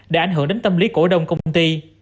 đã ảnh hưởng đến tâm lý cổ đông công ty